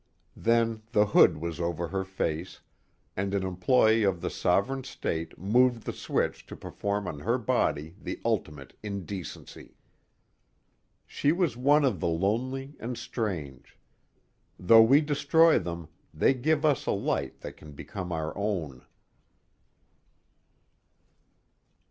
Then the hood was over her face, and an employee of the sovereign state moved the switch to perform on her body the ultimate indecency. She was one of the lonely and strange. Though we destroy them, they give us a light that can become our own.